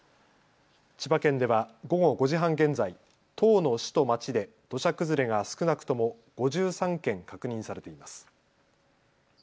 千葉県では午後５時半現在、１０の市と町で土砂崩れが少なくとも５３件確認されています。